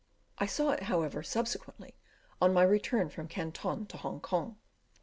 I saw it, however, subsequently, on my return from Canton to Hong Kong.